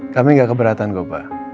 kami gak keberatan pak